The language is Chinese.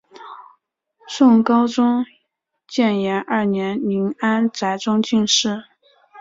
宋高宗建炎二年林安宅中进士。